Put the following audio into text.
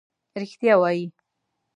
رښتیا وایې.